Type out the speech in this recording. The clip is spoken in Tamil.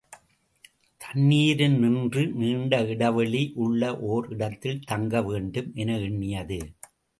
தண்ணீரினின்றும் நீண்ட இடைவெளி உள்ள ஓர் இடத்தில் தங்க வேண்டும் என எண்ணியது.